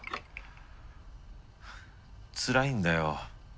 つらいんだよ。